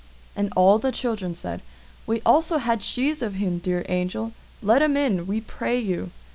And all the children said, "We also had sheaves of him, dear Angel; let him in, we pray you!"